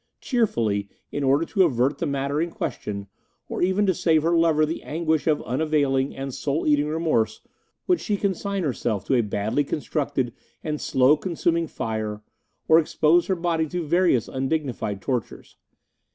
Cheerfully, in order to avert the matter in question, or even to save her lover the anguish of unavailing and soul eating remorse, would she consign herself to a badly constructed and slow consuming fire or expose her body to various undignified tortures.